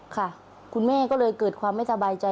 ค่ะคุณแม่ก็เลยเกิดความไม่สบายใจ